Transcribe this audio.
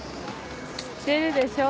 知ってるでしょ？